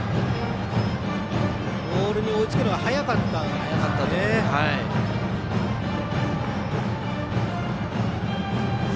ボールに追いつくのが速かったんですね。